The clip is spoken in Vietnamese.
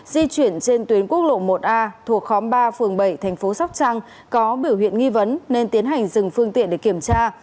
di chuyển trên tuyến quốc lộ một a thuộc khóm ba phường bảy thành phố sóc trăng có biểu hiện nghi vấn nên tiến hành dừng phương tiện để kiểm tra